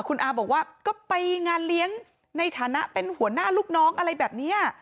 คุณอาบอกว่าก็ไปงานเลี้ยงในฐานะเป็นหัวหน้าลูกน้องอะไรแบบนี้